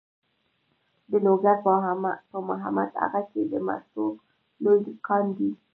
د لوګر په محمد اغه کې د مسو لوی کان دی.